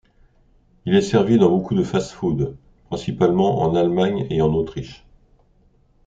Il est servi dans beaucoup de fast food, principalement en Allemagne et en Autriche.